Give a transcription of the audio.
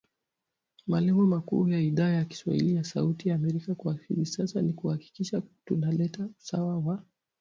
Malengo makuu ya Idhaa ya kiswahili ya Sauti ya Amerika kwa hivi sasa ni kuhakikisha tuna leta usawa wa